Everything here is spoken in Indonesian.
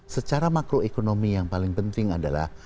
secara makroekonomi yang paling penting adalah